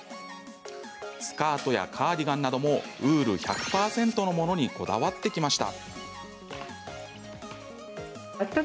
スカートやカーディガンなどもウール１００％のものにこだわってきました。